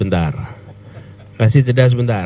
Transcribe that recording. langkah berikutnya kasih jeda sebentar